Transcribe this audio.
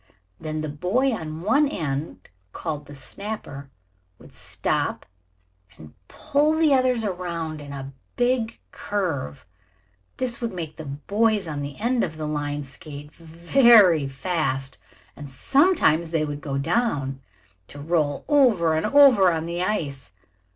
Then the boy on one end, called the snapper, would stop and pull the others around in a big curve. This would make the boys on the end of the line skate very fast, and sometimes they would go down, to roll over and over on the ice.